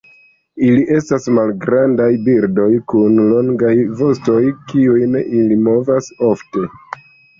Ili estas malgrandaj birdoj kun longaj vostoj kiujn ili movas ofte.